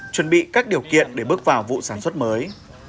chuẩn bị các điều kiện để bước vào vụ sản xuất mới